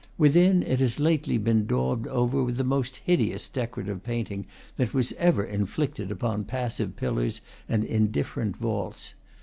Within, it has lately been daubed over with the most hideous decorative painting that was ever inflicted upon passive pillars and indifferent vaults.